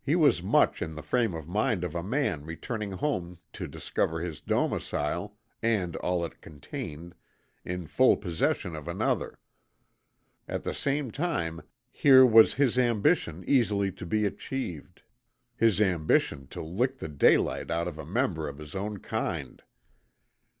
He was much in the frame of mind of a man returning home to discover his domicile, and all it contained, in full possession of another. At the same time here was his ambition easily to be achieved his ambition to lick the daylight out of a member of his own kind.